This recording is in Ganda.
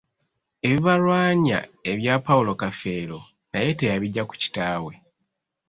Ebibalwanya ebya Paulo Kafeero naye teyabijja ku kitaawe.